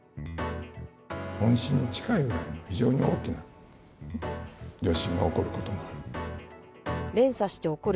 本震に近いぐらいの非常に大きな余震が起こることもある。